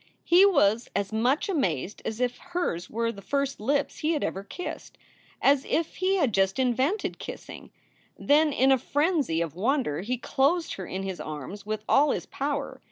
He was as much amazed as if hers were the first lips he had ever kissed as if he had just invented kissing. Then in a frenzy of wonder he closed her in his arms with all his power.